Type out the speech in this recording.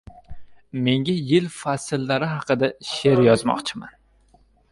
Menga yil fasllari haqida she’r yozmoqchiman